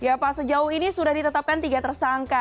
ya pak sejauh ini sudah ditetapkan tiga tersangka